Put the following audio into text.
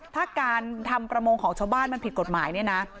ถ้าการทำประมงของชาวบ้านมันผิดกฎหมายเนี่ยนะ